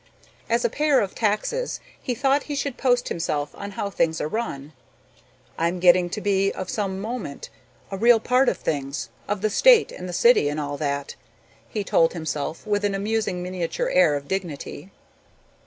As a payer of taxes he thought he should post himself on how things are run. "I'm getting to be of some moment, a real part of things, of the state and the city and all that," he told himself with an amusing miniature air of dignity.